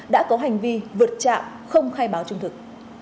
đã có hành vi vượt trạm không khai báo trung thực